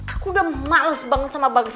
aku udah males banget sama bagus